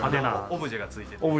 オブジェが付いてて。